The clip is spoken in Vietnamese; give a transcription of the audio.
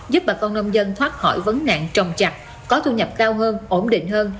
giúp bà con nông dân thoát khỏi vấn nạn trồng chặt có thu nhập cao hơn ổn định hơn